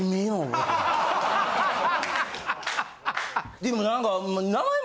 でも何か。